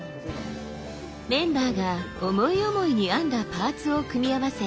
メンバーが思い思いに編んだパーツを組み合わせ